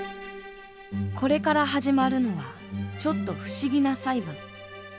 これから始まるのはちょっと不思議な裁判。